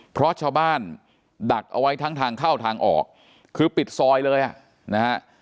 เพราะชาวบ้านดักเอาไว้ทั้งทางเข้าทางออกคือปิดซอยเลยอ่ะนะฮะ